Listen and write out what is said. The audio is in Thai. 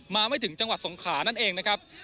ไม่ถึงจังหวัดสงขานั่นเองนะครับ